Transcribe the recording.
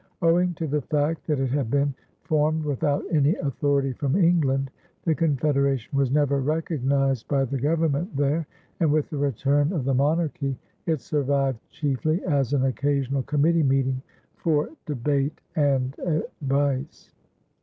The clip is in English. Owing to the fact that it had been formed without any authority from England, the Confederation was never recognized by the Government there, and with the return of the monarchy it survived chiefly as an occasional committee meeting for debate and advice.